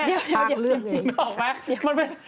อ้าวเดี๋ยวก่อนคุณพี่พลบอกไหมมันเป็น